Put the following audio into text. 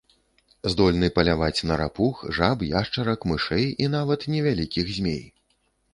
Здольны паляваць на рапух, жаб, яшчарак, мышэй і нават невялікіх змей.